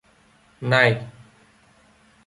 Này